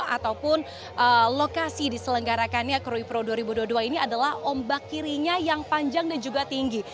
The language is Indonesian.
atau pun lokasi diselenggarakannya kruid pro dua ribu dua puluh dua ini adalah ombak kirinya yang panjang dan juga tinggi